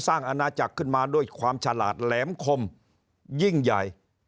อาณาจักรขึ้นมาด้วยความฉลาดแหลมคมยิ่งใหญ่